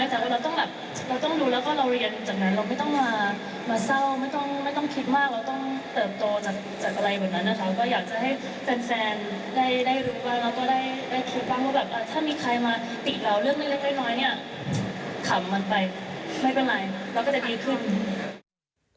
ไม่เป็นไรเราก็จะดีขึ้น